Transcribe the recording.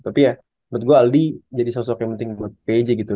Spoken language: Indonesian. tapi ya buat gue aldi jadi sosok yang penting buat pj gitu